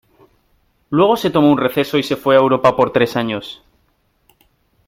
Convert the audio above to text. Luego se tomó un receso y se fue a Europa por tres años.